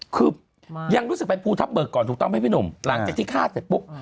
คือยังรู้สึกไปภูทับเบิกก่อนถูกต้องไหมพี่หนุ่มหลังจากที่ฆ่าเสร็จปุ๊บ